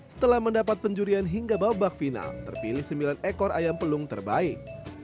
setelah mendapat penjurian hingga babak final terpilih sembilan ekor ayam pelung terbaik